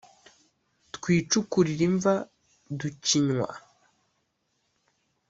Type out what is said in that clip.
twicukurire imva ducinywa